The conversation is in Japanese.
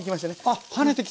あっあっ跳ねてきた。